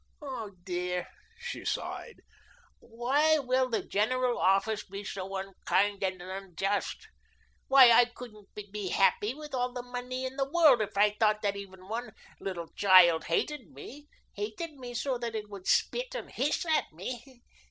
Oh, dear," she sighed, "why will the General Office be so unkind and unjust? Why, I couldn't be happy, with all the money in the world, if I thought that even one little child hated me hated me so that it would spit and hiss at me.